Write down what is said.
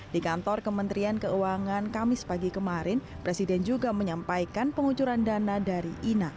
di kantor kementerian keuangan kamis pagi kemarin presiden juga menyampaikan pengucuran dana dari ina